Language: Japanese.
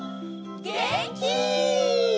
げんき！